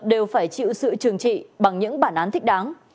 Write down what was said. đều phải chịu sự trừng trị bằng những bản án thích đáng